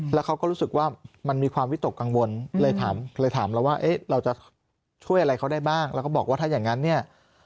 แล้วเขาก็รู้สึกว่ามันมีความวิตกกังวลเลยถามเราว่าเราจะช่วยอะไรเขาได้บ้างแล้วก็บอกว่าถ้าอย่างนั้นเนี่ย